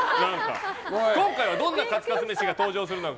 今回はどんなカツカツ飯が登場するのか。